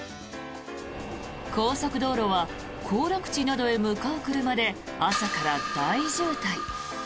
高速道路は行楽地などへ向かう車で朝から大渋滞。